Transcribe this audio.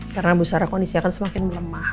karena busara kondisi akan semakin melemah